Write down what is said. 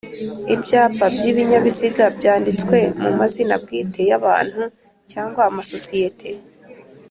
Ibyapa by ibinyabiziga byanditswe mu mazina bwite y abantu cyangwa amasosiyete